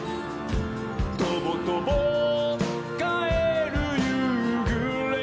「とぼとぼかえるゆうぐれふいに」